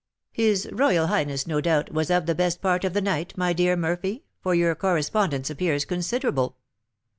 "His royal highness, no doubt, was up the best part of the night, my dear Murphy, for your correspondence appears considerable?"